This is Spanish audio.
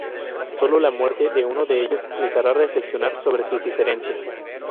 Sólo la muerte de uno ellos les hará reflexionar sobre sus diferencias.